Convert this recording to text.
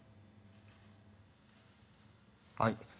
はい？